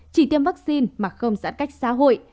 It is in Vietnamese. chỉ tiêm vaccine mà không giãn cách xã hội